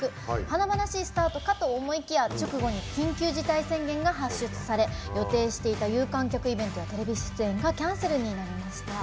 華々しいスタートかと思いきや直後に緊急事態宣言が発出され予定していた有観客イベントやテレビ出演がキャンセルになりました。